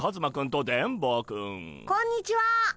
こんにちは。